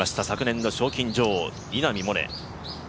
昨年の賞金女王、稲見萌寧。